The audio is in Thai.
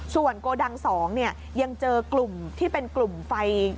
ส่วนโกดัง๒ยังเจอกลุ่มที่เป็นกลุ่มไฟ